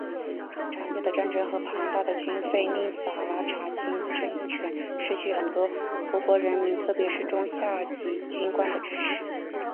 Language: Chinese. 长久的战争和庞大的军费令萨拉查军政权失去了很多葡国人民特别是中下级军官的支持。